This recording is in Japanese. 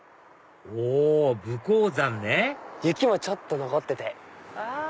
お武甲山ね雪もちょっと残ってて。